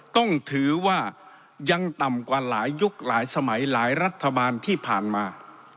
ต้องถือว่ายังต่ำกว่าหลายยุคหลายสมัยหลายรัฐบาลที่ผ่านมา